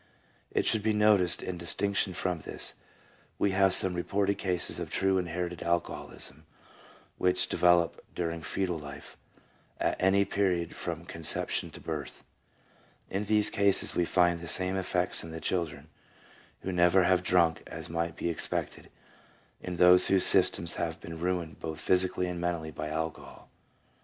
It should be noticed, in distinction from this, we have some reported cases of true inherited alcoholism which develop during fcetal life, at any period from con ception to birth. In these cases we find the same effects in the children who never have drunk as might be expected in those whose systems have been ruined both physically and mentally by alcohol.